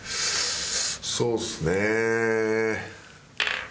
そうですね。